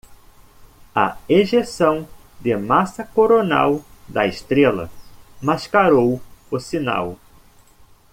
A ejeção de massa coronal da estrela mascarou o sinal.